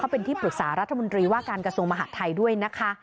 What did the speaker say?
เป็นที่ปรึกษารัฐมนตรีว่าการกระทรวงมหาดไทยด้วยนะคะ